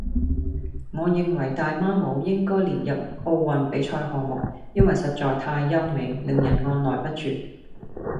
我認為大媽舞應該列入奧運比賽項目，因為實在太優美，令人按耐不住